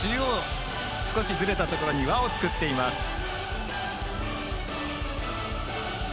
今、中央の少しずれたところに輪を作っています。